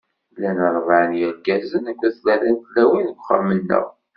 Llan ṛebɛa n yirgazen akked tlata n tlawin deg uxxam-nneɣ.